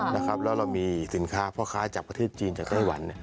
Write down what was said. และเรามีสินค้าเพราะข้าจากประเทศจีนจากไทยหวัน